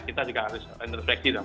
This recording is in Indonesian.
kita juga harus introfleksi dong